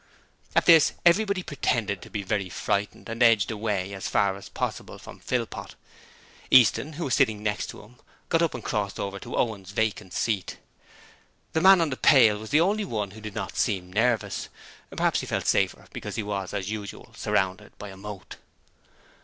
At this, everybody pretended to be very frightened, and edged away as far as possible from Philpot. Easton, who was sitting next to him, got up and crossed over to Owen's vacant seat. The man on the pail was the only one who did not seem nervous; perhaps he felt safer because he was, as usual, surrounded by a moat.